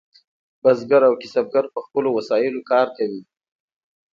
بزګر او کسبګر په خپلو وسایلو کار کوي.